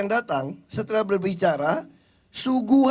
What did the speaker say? jika ini ceritakan bubuk